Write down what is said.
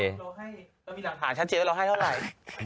เรามีหลังผ่านชั้นเจ็ดเราให้เท่าไหร่